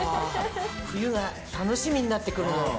冬が楽しみになって来るのよ